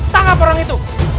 tangkap orang itu